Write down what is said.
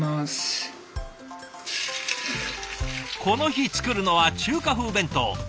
この日作るのは中華風弁当。